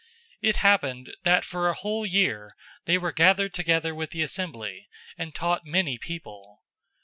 It happened, that for a whole year they were gathered together with the assembly, and taught many people.